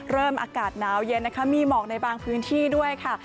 อากาศหนาวเย็นนะคะมีหมอกในบางพื้นที่ด้วยค่ะ